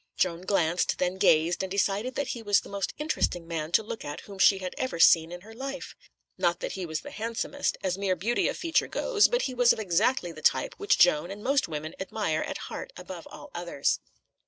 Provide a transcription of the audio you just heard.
Joan glanced, then gazed, and decided that he was the most interesting man to look at whom she had ever seen in her life. Not that he was the handsomest, as mere beauty of feature goes, but he was of exactly the type which Joan and most women admire at heart above all others.